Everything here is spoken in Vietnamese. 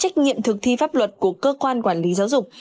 kỳ thi pháp luật của cơ quan quản lý giáo dục